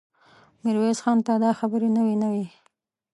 ميرويس خان ته دا خبرې نوې نه وې.